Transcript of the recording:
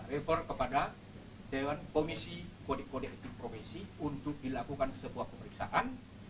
refer kepada dewan komisi kode kode etik profesi untuk dilakukan sebuah pemeriksaan